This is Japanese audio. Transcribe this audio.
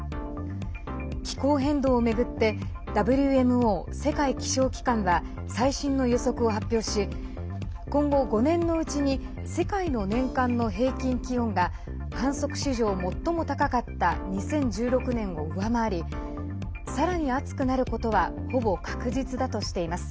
気候変動を巡ってＷＭＯ＝世界気象機関は最新の予測を発表し今後５年のうちに世界の年間の平均気温が観測史上最も高かった２０１６年を上回りさらに暑くなることはほぼ確実だとしています。